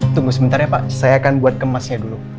tunggu sementara pak saya akan buat kemasnya dulu